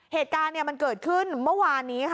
เหตุการณ์มันเกิดขึ้นเมื่อวานนี้ค่ะ